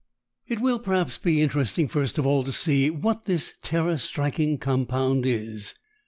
It will perhaps be interesting first of all to see what this terror striking compound is.